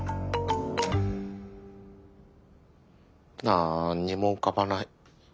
なんにも浮かばない。